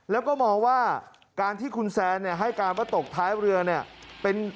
แล้วก็มองว่าการที่คุณแซนให้การว่าตกท้ายเรือเนี่ย